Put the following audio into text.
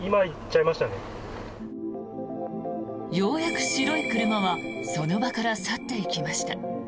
ようやく白い車はその場から去っていきました。